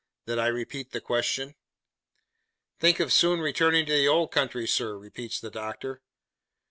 that I repeat the question. 'Think of soon returning to the old country, sir!' repeats the Doctor.